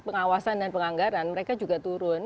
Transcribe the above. pengawasan dan penganggaran mereka juga turun